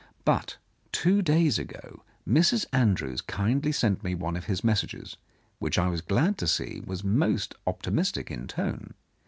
But two days ago Mrs. Andrews kindly sent me one of his messages, which I was glad to see was most optimistic in tone.